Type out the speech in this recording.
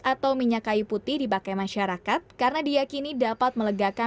atau minyak kayu putih dipakai masyarakat karena diakini dapat melegakan